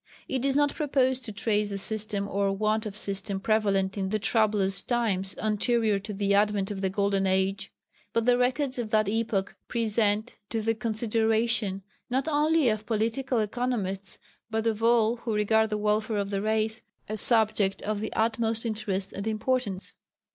It is not proposed to trace the system or want of system prevalent in the troublous times anterior to the advent of the Golden Age. But the records of that epoch present to the consideration, not only of political economists, but of all who regard the welfare of the race, a subject of the utmost interest and importance.